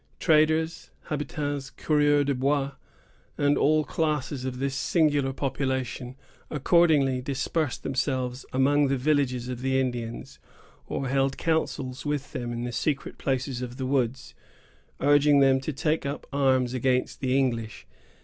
Traders, habitans, coureurs de bois, and all classes of this singular population, accordingly dispersed themselves among the villages of the Indians, or held councils with them in the secret places of the woods, urging them to take up arms against the English.